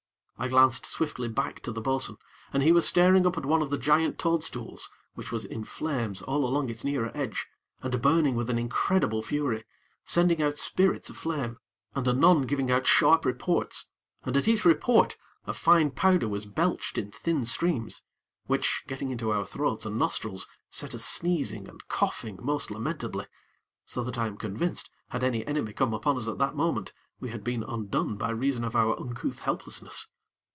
I glanced swiftly back to the bo'sun, and he was staring up at one of the giant toadstools which was in flames all along its nearer edge, and burning with an incredible fury, sending out spirits of flame, and anon giving out sharp reports, and at each report, a fine powder was belched in thin streams; which, getting into our throats and nostrils, set us sneezing and coughing most lamentably; so that I am convinced, had any enemy come upon us at that moment, we had been undone by reason of our uncouth helplessness.